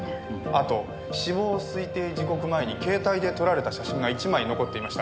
あと死亡推定時刻前に携帯で撮られた写真が１枚残っていました。